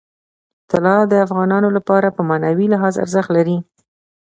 طلا د افغانانو لپاره په معنوي لحاظ ارزښت لري.